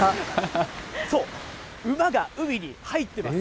そう、馬が海に入ってます。